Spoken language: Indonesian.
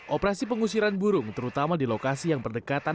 operasi pengusiran burung terutama di lokasi yang berdekatan